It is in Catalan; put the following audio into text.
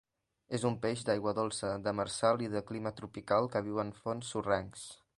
És un peix d'aigua dolça, demersal i de clima tropical que viu en fons sorrencs.